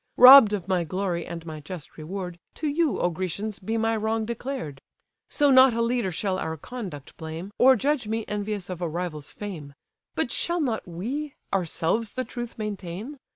Robb'd of my glory and my just reward, To you, O Grecians! be my wrong declared: So not a leader shall our conduct blame, Or judge me envious of a rival's fame. But shall not we, ourselves, the truth maintain?